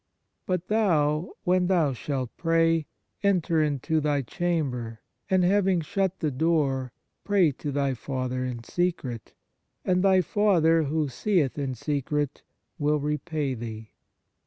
But thou when thou shalt pray, enter into thy chamber, and having shut the door, pray to thy Father in secret : and thy Father who seeth in secret will repay thee."